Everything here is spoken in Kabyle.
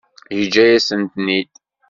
Yeǧǧa-yasen-ten-id.